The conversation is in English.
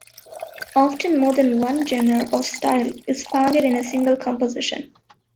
Often more than one genre or style is found in a single composition.